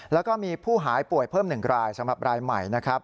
แล้วก็มีผู้หายป่วยเพิ่ม๑รายสำหรับรายใหม่นะครับ